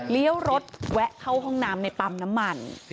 เลี้ยวรถแวะเข้าห้องน้ำในปั๊มน้ำมัน